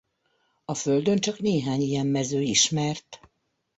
A Földön csak néhány ilyen mező ismert.